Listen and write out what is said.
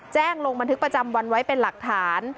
ลงบันทึกประจำวันไว้เป็นหลักฐาน